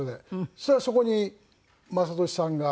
そしたらそこに雅俊さんがいらして。